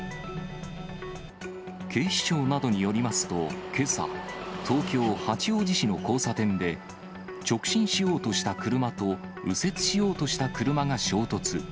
警視庁などによりますと、けさ、東京・八王子市の交差点で、直進しようとした車と右折しようとした車が衝突。